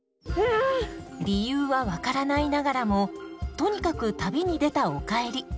理由は分からないながらもとにかく旅に出たおかえり。